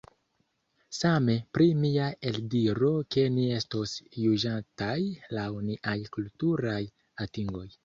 Same pri mia eldiro ke ni estos juĝataj laŭ niaj kulturaj atingoj.